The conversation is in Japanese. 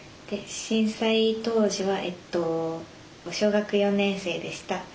震災当時はえっと小学４年生でした。